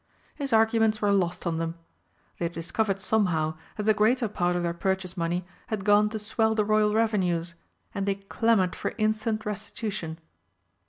His arguments were lost on them. They had discovered somehow that the greater part of their purchase money had gone to swell the Royal revenues, and they clamoured for instant restitution.